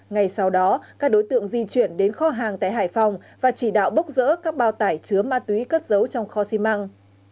ngày sau đó các đối tượng di chuyển đến kho hàng tại hải phòng và chỉ đạo bốc rỡ các bao tải chứa ma túy cất dấu trong kho xi măng